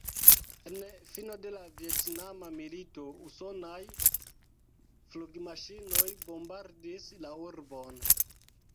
En fino de la Vjetnama milito usonaj flugmaŝinoj bombardis la urbon.